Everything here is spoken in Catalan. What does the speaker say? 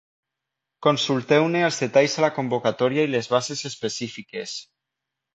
Consulteu-ne els detalls a la convocatòria i les bases específiques.